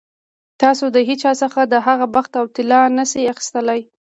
تاسو د هېچا څخه د هغه بخت او طالع نه شئ اخیستلی.